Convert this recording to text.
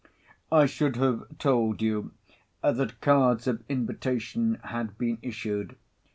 I should have told you, that cards of invitation had been issued.